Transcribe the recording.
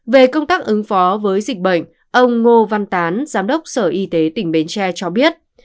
về công tác ứng phó với dịch bệnh ông ngô văn tán giám đốc sở y tế tỉnh bến tre cho biết